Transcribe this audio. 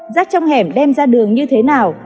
rác trong hẻm đem ra đường như thế nào